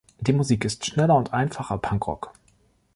Die Musik ist schneller und einfacher Punkrock.